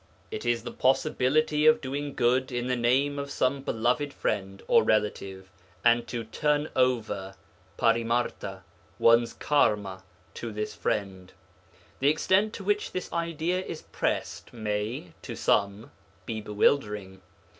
It is the possibility of doing good in the name of some beloved friend or relative and to 'turn over' (parimarta) one's karma to this friend. The extent to which this idea is pressed may, to some, be bewildering.